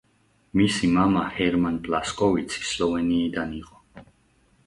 მისი მამა ჰერმან ბლასკოვიცი სლოვენიიდან იყო.